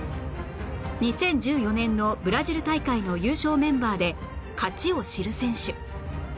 ２０１４年のブラジル大会の優勝メンバーで勝ちを知る選手